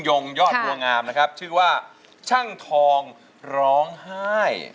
ของคุณยิ่งยงยอดผัวงามนะครับชื่อว่าช่างทองร้องไห้